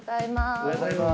おはようございます。